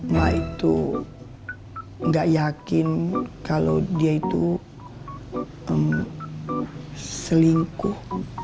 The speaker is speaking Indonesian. mak itu gak yakin kalau dia itu selingkuh